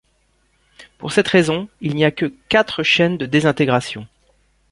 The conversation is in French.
Pour cette raison, il n'y a que quatre chaînes de désintégration.